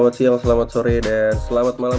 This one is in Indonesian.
mulai dengan episode baru